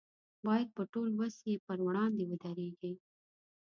باید په ټول وس یې پر وړاندې ودرېږي.